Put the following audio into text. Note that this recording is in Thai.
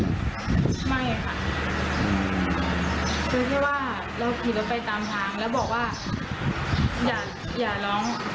ไม่ค่ะเพราะที่ว่าเราผิดเราไปตามทางแล้วบอกว่าอย่าอย่าร้อง